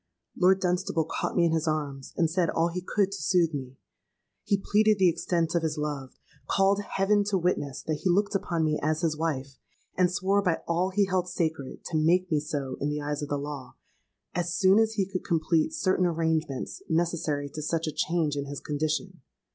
Lord Dunstable caught me in his arms, and said all he could to soothe me. He pleaded the extent of his love, called heaven to witness that he looked upon me as his wife, and swore by all he held sacred to make me so in the eyes of the law as soon as he could complete certain arrangements necessary to such a change in his condition.